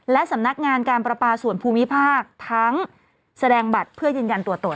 และสำนักงานการประปาส่วนภูมิภาคทั้งแสดงบัตรเพื่อยืนยันตัวตน